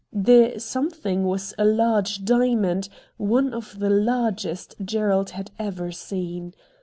The something was a large diamond, one of the largest Gerald had ever seen.